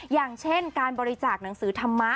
อย่างเช่นการบริจาคหนังสือธรรมะ